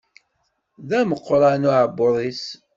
D ameqqran uɛebbuḍ-is.